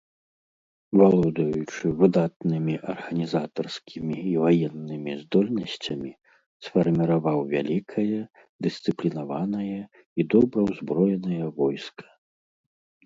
Валодаючы выдатнымі арганізатарскімі і ваеннымі здольнасцямі, сфарміраваў вялікае, дысцыплінаванае і добра ўзброенае войска.